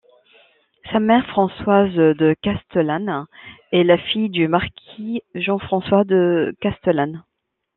Sa mère, Françoise de Castellane, est la fille du marquis Jean-François de Castellane.